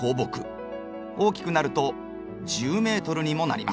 大きくなると１０ｍにもなります。